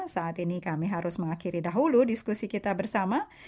saat ini kami harus mengakhiri dahulu diskusi kita bersama